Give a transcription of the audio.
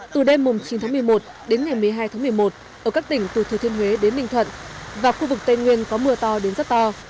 từ đêm chín tháng một mươi một đến ngày một mươi hai tháng một mươi một ở các tỉnh từ thừa thiên huế đến ninh thuận và khu vực tây nguyên có mưa to đến rất to